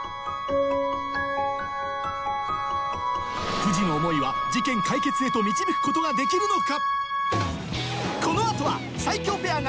藤の思いは事件解決へと導くことができるのか？